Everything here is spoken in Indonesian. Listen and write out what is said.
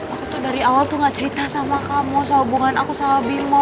aku tuh dari awal tuh gak cerita sama kamu sama hubungan aku sama bimo